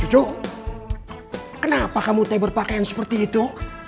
cucu kenapa kamu teber pakaian seperti itu